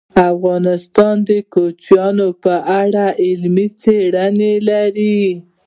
افغانستان د کوچیانو په اړه علمي څېړنې لري.